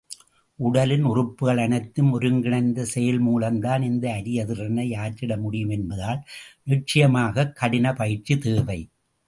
உடலின் உறுப்புகள் அனைத்தும் ஒருங்கிணைந்த செயல்மூலம்தான் இந்த அரிய திறனை ஆற்றிட முடியும் என்பதால், நிச்சயமாகக் கடினப்பயிற்சி தேவை.